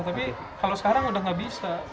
tapi kalau sekarang udah nggak bisa